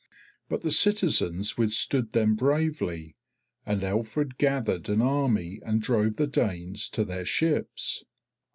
But the citizens withstood them bravely, and Alfred gathered an army and drove the Danes to their ships.